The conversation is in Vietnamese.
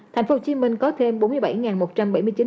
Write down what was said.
tp hcm có thêm bốn mươi bảy triệu học sinh